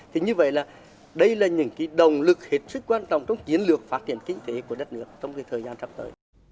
thì như vậy là đây là những đồng lực hết sức quan trọng trong kiến lược phát triển kinh tế của đất nước trong thời gian sắp tới